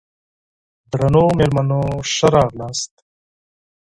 درنو مېلمنو ښه راغلاست!